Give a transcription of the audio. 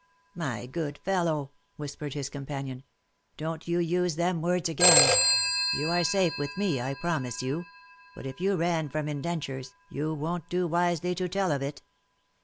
" My good fellow," whispered his companion, " don't you use them words again. You are safe with me, I promise you ; but if you ran from indentures, you won't do wisely to tell of it."